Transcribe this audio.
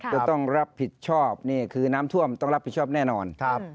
จะต้องรับผิดชอบนี่คือน้ำท่วมต้องรับผิดชอบแน่นอน